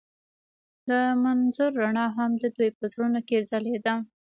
د منظر رڼا هم د دوی په زړونو کې ځلېده.